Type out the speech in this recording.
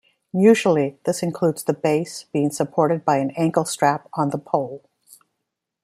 Usually this includes the base being supported by an ankle strap on the pole.